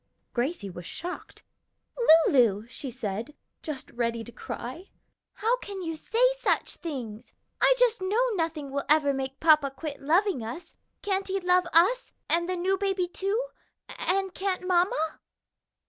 Gracie was shocked, "Lulu!" she said, just ready to cry, "how can you say such things? I just know nothing will ever make papa quit loving us. Can't he love us and the new baby too? and can't mamma?"